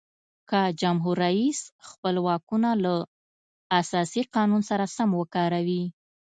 که جمهور رئیس خپل واکونه له اساسي قانون سره سم وکاروي.